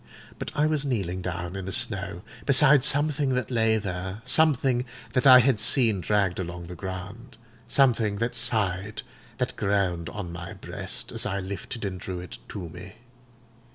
But I was kneeling down in the snow, beside something that lay there—something that I had seen dragged along the ground—something that sighed, that groaned on my breast, as I lifted and drew it to me.